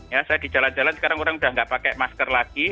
ya saya di jalan jalan sekarang orang sudah tidak pakai masker lagi